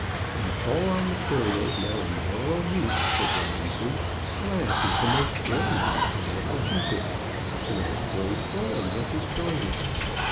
"Of all our materials now in general use," said Robinson, "glass is the most brilliant, and yet the cheapest; the most graceful and yet the strongest.